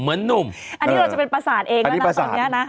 หนุ่มอันนี้เราจะเป็นประสาทเองแล้วนะตอนนี้นะ